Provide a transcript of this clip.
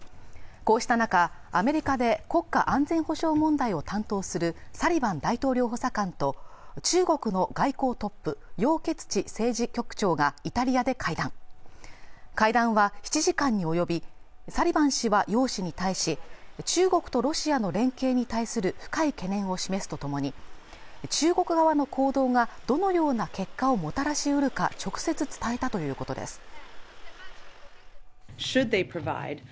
こうした中アメリカで国家安全保障問題を担当するサリバン大統領補佐官と中国の外交トップ楊潔チ政治局長がイタリアで会談会談は７時間に及びサリバン氏は楊氏に対し中国とロシアの連携に対する深い懸念を示すとともに中国側の行動がどのような結果をもたらしうるか直接伝えたということです